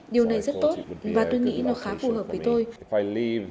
điều này rất tốt và tôi nghĩ nó khá phù hợp với tôi